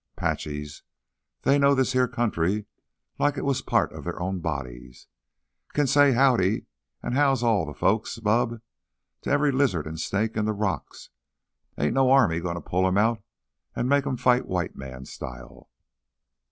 'Paches, they know this here country like it was part o' their own bodies—can say 'Howdy an' how's all th' folks, bub?' t' every lizard an' snake in th' rocks. Ain't no army gonna pull 'em out an' make 'em fight white man style.